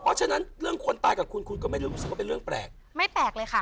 เพราะฉะนั้นเรื่องคนตายกับคุณคุณก็ไม่รู้สึกว่าเป็นเรื่องแปลกไม่แปลกเลยค่ะ